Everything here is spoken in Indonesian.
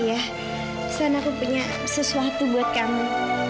pesan aku punya sesuatu buat kamu